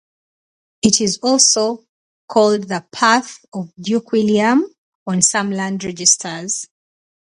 It is also called the "Path of Duke William" on some land registers.